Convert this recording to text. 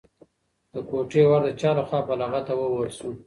د کوټې ور د چا لخوا په لغته ووهل شو؟